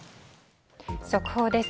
速報です。